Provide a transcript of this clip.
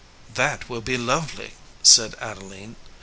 "That will be lovely," said Adeline.